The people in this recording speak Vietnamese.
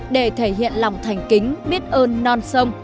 để thể hiện lòng thành kính biết ơn non sông